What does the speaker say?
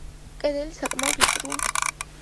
კედელი საკმაოდ ვიწროა.